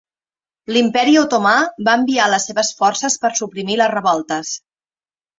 L"Imperi Otomà va enviar les seves forces per suprimir les revoltes.